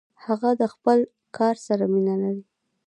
هغه د خپل کار سره مینه لري.